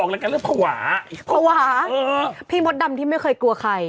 ออกอะไรกันแล้วภาวะภาวะเออพี่มดดำที่ไม่เคยกลัวใคร